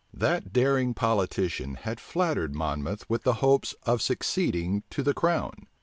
That daring politician had flattered Monmouth with the hopes of succeeding to the crown.